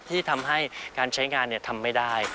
ที่ทำให้การใช้งานทำไม่ได้